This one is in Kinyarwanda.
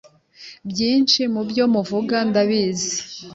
byinshi mubyo muvuga ndabizi